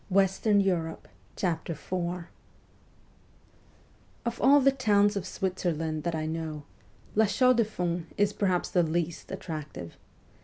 WESTERN EUROPE 203 IV OF all the towns of Switzerland that I know, La Chaux de Fonds is perhaps the least attractive.